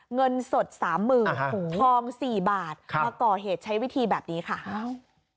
เงินสดสามหมื่นทองสี่บาทครับมาก่อเหตุใช้วิธีแบบนี้ค่ะอ้าว